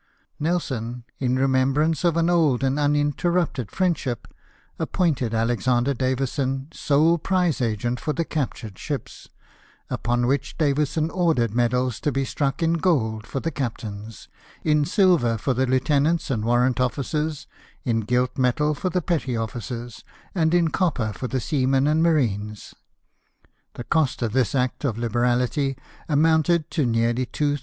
Nelson, in remembrance of an old and uninter rupted friendship, appointed Alexander Davison sole prize agent for the captured ships ; upon which Davison ordered medals to be struck in gold for the captains, in silver for the lieutenants and warrant ofiicers, in gilt metal for the petty officers, and in copper for the seamen and marines. The THE NELSON MEDALS. 155 cost of this act of liberality amounted to nearly £2,000.